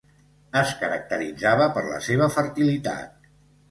Es caracteritzava per la seva fertilitat.